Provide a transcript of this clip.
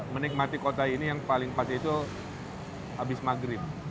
menikmati kota ini yang paling pas itu habis maghrib